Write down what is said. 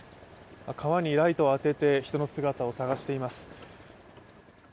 川にライトを当てて、人の姿を探しています。